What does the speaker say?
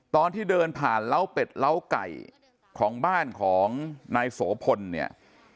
ตอนที่เดินผ่านเล้าเป็ดล้าไก่ของบ้านของนายโสพลเนี่ย